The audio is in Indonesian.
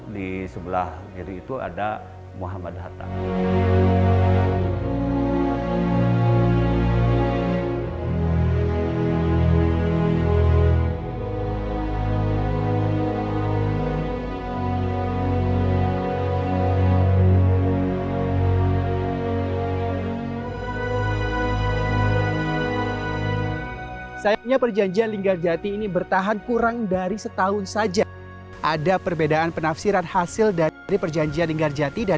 di sebelah kiri itu ada muhammad hatta